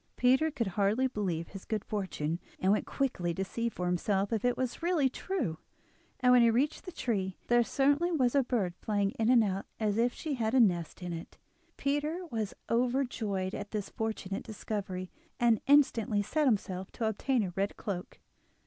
Peter could hardly believe his good fortune, and went quickly to see for himself if it was really true; and when he reached the tree there certainly was a bird flying in and out as if she had a nest in it. Peter was overjoyed at this fortunate discovery, and instantly set himself to obtain a red cloak.